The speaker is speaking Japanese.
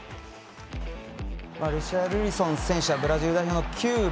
リシャルリソン選手はブラジル代表の９番。